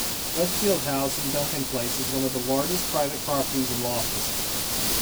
Westfield House in Duncan Place is one of the largest private properties in Loftus.